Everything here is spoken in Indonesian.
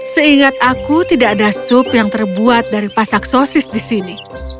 seingat aku tidak ada sup yang terbuat dari pasak sosis di sini